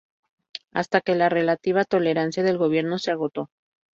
Hasta que la relativa tolerancia del gobierno se agotó.